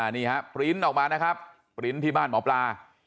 นี่ฮะปริ้นต์ออกมานะครับปริ้นต์ที่บ้านหมอปลา